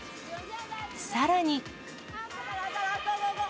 さらに。